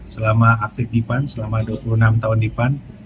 selama aktif di pan selama dua puluh enam tahun di pan